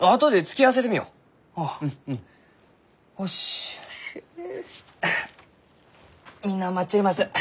あみんな待っちょります。